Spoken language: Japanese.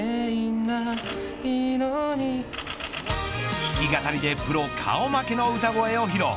弾き語りでプロ顔負けの歌声を披露。